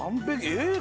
えっ！